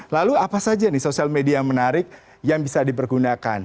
lalu apa saja nih sosial media menarik yang bisa dipergunakan